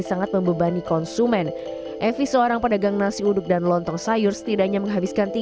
sangat membebani konsumen evi seorang pedagang nasi uduk dan lontong sayur setidaknya menghabiskan